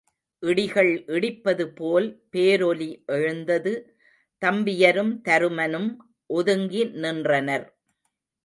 இடிகள் இடிப்பது போல் பேரொலி எழுந்தது தம்பியரும் தருமனும் ஒதுங்கி நின்றனர்.